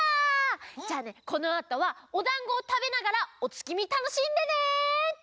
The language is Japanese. じゃあねこのあとはおだんごをたべながらおつきみたのしんでね！